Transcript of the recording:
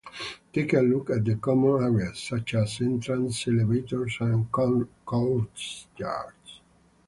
Take a look at the common areas, such as entrances, elevators, and courtyards.